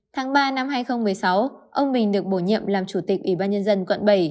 tháng ba năm hai nghìn một mươi sáu ông bình được bổ nhiệm làm chủ tịch ủy ban nhân dân quận bảy